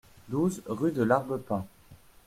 douze rue de l'Arbepin